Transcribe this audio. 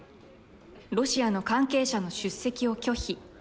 ロシアの関係者の出席を拒否。